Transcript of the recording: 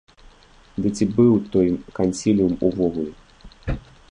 Дык ці быў той кансіліум увогуле?